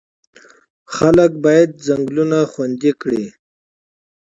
خلک باید ځنګلونه خوندي کړي.